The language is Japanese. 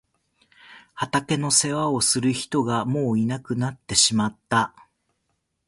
畑の世話をする人がもういなくなってしまった。